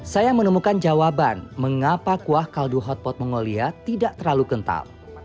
saya menemukan jawaban mengapa kuah kaldu hotpot mongolia tidak terlalu kental